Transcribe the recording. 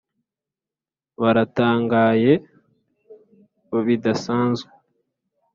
baratangaye bidasanzwe